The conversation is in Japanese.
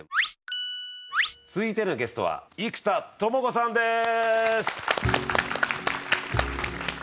続いてのゲストは生田智子さんです！